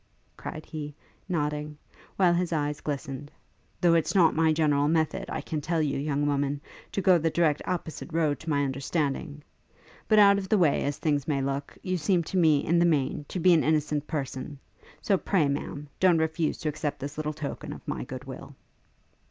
cried he, nodding, while his eyes glistened; 'though it's not my general method, I can tell you, young woman, to go the direct opposite road to my understanding. But, out of the way as things may look, you seem to me, in the main, to be an innocent person; so pray, Ma'am, don't refuse to accept this little token of my good will.'